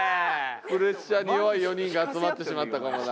プレッシャーに弱い４人が集まってしまったかもな。